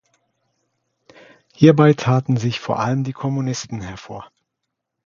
Hierbei taten sich vor allem die Kommunisten hervor.